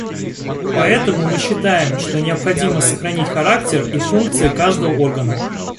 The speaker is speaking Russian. Поэтому мы считаем, что необходимо сохранить характер и функции каждого органа.